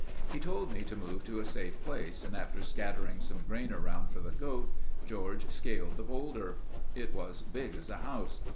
He told me to move to a safe place and after scattering some grain around for the goat, George scaled the boulder. It was big as a house.